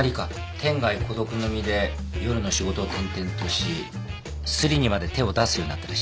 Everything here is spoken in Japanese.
天涯孤独の身で夜の仕事を転々としスリにまで手を出すようになったらしい。